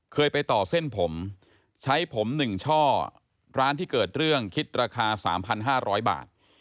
เคยไปต่อเส้นผมใช้ผมหนึ่งช่อร้านที่เกิดเรื่องคิดราคาสามพันห้าร้อยบาท